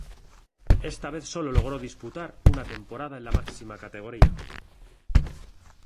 Esta vez sólo logró disputar una temporada en la máxima categoría.